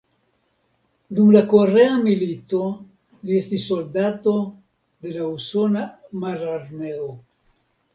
Dum la korea milito li estis soldato de la usona mararmeo.